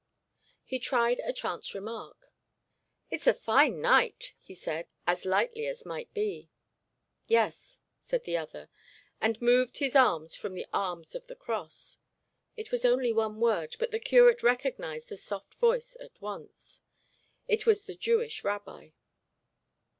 He tried a chance remark. 'It is a fine night,' he said, as lightly as might be. 'Yes,' said the other, and moved his arms from the arms of the cross. It was only one word, but the curate recognised the soft voice at once. It was the Jewish rabbi.